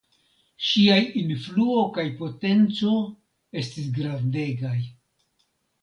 Ŝiaj influo kaj potenco estis grandegaj.